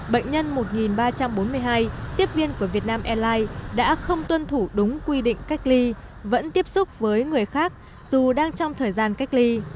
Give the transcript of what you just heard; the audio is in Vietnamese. bệnh nhân một ba trăm bốn mươi hai tiếp viên của việt nam airlines đã không tuân thủ đúng quy định cách ly vẫn tiếp xúc với người khác dù đang trong thời gian cách ly